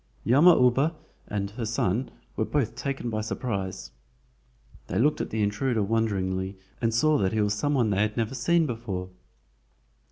Yama uba and her son were both taken by surprise. They looked at the intruder wonderingly and saw that he was some one they had never seen before.